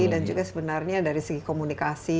dan juga sebenarnya dari segi komunikasi